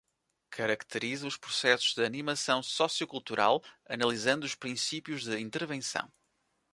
Caracteriza os processos de animação sociocultural, analisando os princípios de intervenção.